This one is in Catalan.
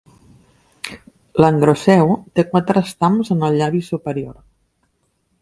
L'androceu té quatre estams en el llavi superior.